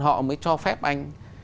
họ mới cho phép anh